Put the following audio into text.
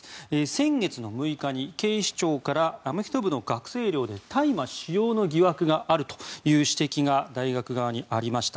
先月の６日に警視庁からアメフト部の学生寮で大麻使用の疑惑があるという指摘が大学側にありました。